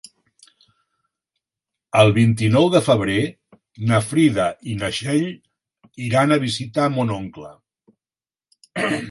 El vint-i-nou de febrer na Frida i na Txell iran a visitar mon oncle.